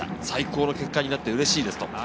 最高の結果になってうれしいです。